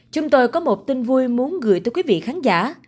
chúng tôi có một tin vui muốn gửi tới quý vị khán giả